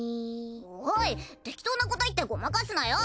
おい適当なこと言ってごまかすなよ！